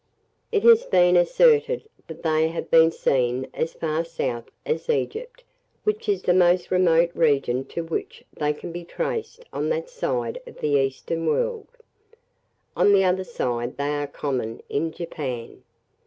It has been asserted that they have been seen as far south as Egypt, which is the most remote region to which they can be traced on that side of the eastern world; on the other side, they are common in Japan.